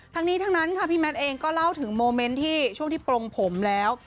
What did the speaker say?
ทั้งนี้ทั้งนั้นค่ะพี่แมทเองก็เล่าถึงโมเมนต์ที่ช่วงที่ปรงผมแล้ว